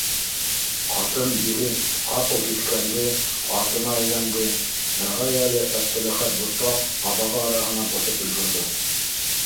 Ҡатын-бире ҡапыл һиҫкәнде, артына әйләнде - ярай әле Әптеләхәт ботаҡ, абаға араһына боҫоп өлгөрҙө.